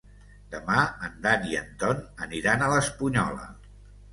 Demà en Dan i en Ton aniran a l'Espunyola.